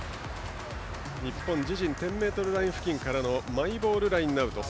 日本、自陣１０ｍライン付近からマイボールラインアウト。